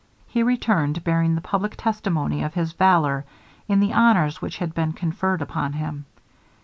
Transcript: He returned, bearing public testimony of his valour in the honors which had been conferred upon him.